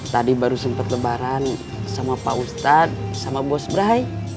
tadi baru sempat lebaran sama pak ustadz sama bos brai